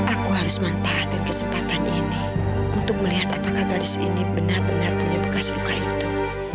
aku harus manfaatin kesempatan ini untuk melihat apakah gadis ini benar benar punya bekas luka itu